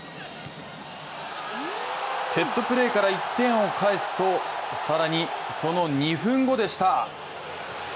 セットプレーから１点を返すと、更にその２分後でした。